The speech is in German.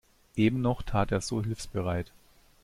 Eben noch tat er so hilfsbereit.